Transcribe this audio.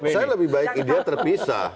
saya lebih baik dia terpisah